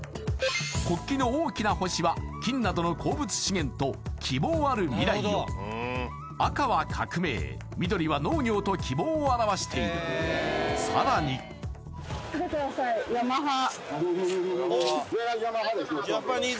国旗の大きな星は金などの鉱物資源と希望ある未来を赤は革命緑は農業と希望を表しているさらにこれもＹＡＭＡＨＡ